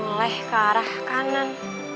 mulai ke arah kanan